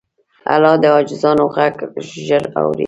الله د عاجزانو غږ ژر اوري.